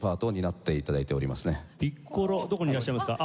どこにいらっしゃいますか？